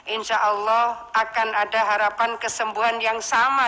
insya allah akan ada harapan kesembuhan yang sama